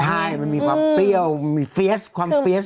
ใช่มันมีความเปรี้ยวมีเฟียสความเฟียส